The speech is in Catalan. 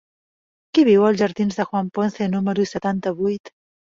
Qui viu als jardins de Juan Ponce número setanta-vuit?